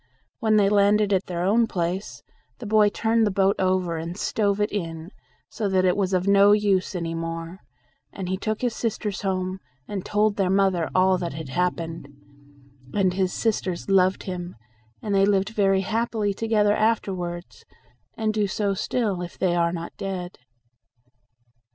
When they landed at their own place, the boy turned the boat over and stove it in, so that it was of no use any more; and he took his sisters home, and told their mother all that had happened, and his sisters loved him, and they lived very happily together ever afterwards, and do so still if they are not dead.